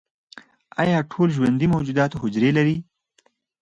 ایا ټول ژوندي موجودات حجرې لري؟